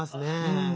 うん。